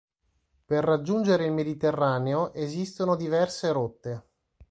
Per raggiungere il Mediterraneo esistono diverse rotte.